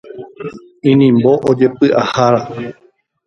Inimbo ojepyaháva.